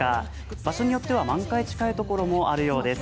場所によっては満開近いところもあるようです。